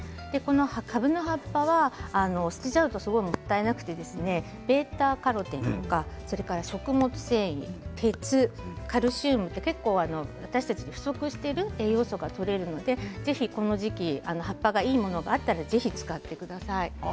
かぶの葉っぱは捨てちゃうとすごくもったいなくてβ−カロテン、食物繊維鉄、カルシウムと結構、私たちに不足している栄養素がとれるのでぜひこの時期葉っぱがいいものがあったら使ってください。